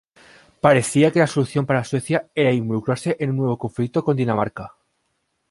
Parecía que la solución para Suecia era involucrarse en un nuevo conflicto con Dinamarca.